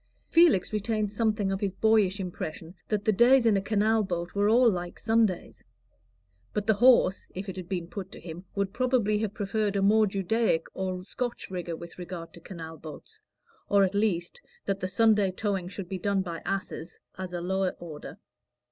Felix retained something of his boyish impression that the days in a canal boat were all like Sundays; but the horse, if it had been put to him, would probably have preferred a more Judaic or Scotch rigor with regard to canal boats, or at least that the Sunday towing should be done by asses, as a lower order.